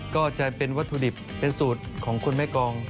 ก็จะเป็นวัตถุดิบเป็นสูตรของคุณแม่กอง